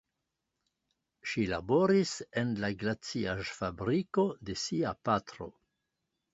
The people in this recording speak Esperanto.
Ŝi laboris en la glaciaĵfabriko de sia patro.